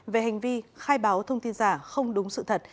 về hành vi khai báo thông tin giả không đúng sự thật